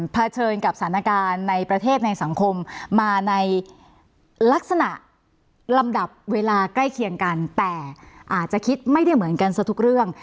เฉินกับสถานการณ์ในประเทศในสังคมมาในลักษณะลำดับเวลาใกล้เคียงกันแต่อาจจะคิดไม่ได้เหมือนกันสักทุกเรื่อง